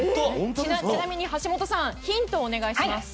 ちなみに橋本さんヒントをお願いします